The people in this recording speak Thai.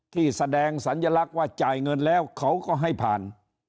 ที่แสดงสัญลักษณ์ว่าจ่ายเงินแล้วเขาก็ให้ผ่าน